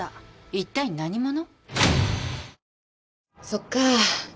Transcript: そっか。